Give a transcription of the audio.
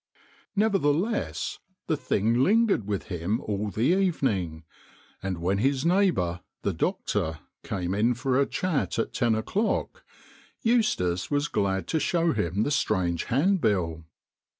Nevertheless the thing lingered with him all the evening, and when his neighbour the doctor came in for a chat at ten o'clock, Eustace was glad to show him the strange handbill.